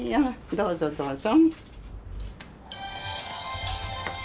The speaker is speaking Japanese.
どうぞどうぞ。